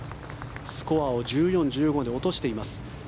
スコアを１４、１５で落としています。